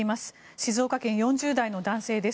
静岡県４０代の男性です。